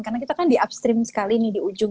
karena kita kan di upstream sekali nih di ujung